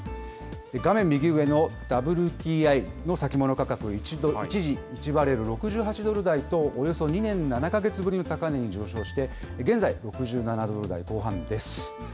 画面右上のＷＴＩの先物価格、一時、１バレル６８ドル台とおよそ２年７か月ぶりの高値に上昇して、現在、６７ドル台後半です。